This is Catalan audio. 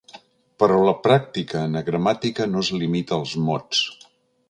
Però la pràctica anagramàtica no es limita als mots.